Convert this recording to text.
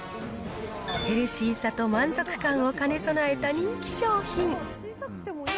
ヘルシーさと満足感を兼ね備えた人気商品。